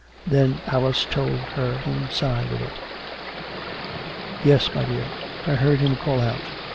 Then Alice told her own side of it. " Yes, my dear ; I heard him call out.